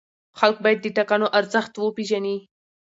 خلک باید د ټاکنو ارزښت وپېژني